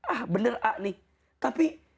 ah bener ah nih tapi